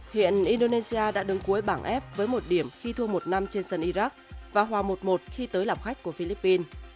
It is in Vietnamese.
hiện indonesia đã đứng cuối bảng ép với một điểm khi thua một năm trên sân iraq và hòa một một khi tới làm khách của philippines